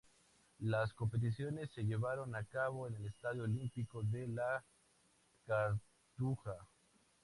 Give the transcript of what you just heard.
Las competiciones se llevaron a cabo en el Estadio Olímpico de La Cartuja.